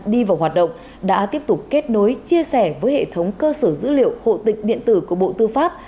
đi vào hoạt động đã tiếp tục kết nối chia sẻ với hệ thống cơ sở dữ liệu hộ tịch điện tử của bộ tư pháp